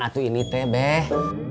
atau ini tebeh